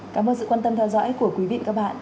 cảm ơn sự quan tâm theo dõi của quý vị và các bạn